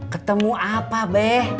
ketemu apa be